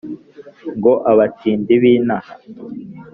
ngo abatindi b’inaha